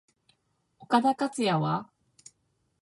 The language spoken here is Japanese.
岡田克也は？